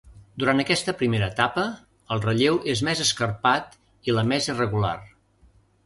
Durant aquesta primera etapa, el relleu és més escarpat i la més irregular.